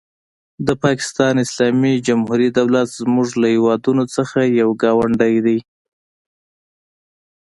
د پاکستان اسلامي جمهوري دولت زموږ له هېوادونو څخه یو ګاونډی دی.